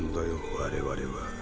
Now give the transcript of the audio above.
我々は。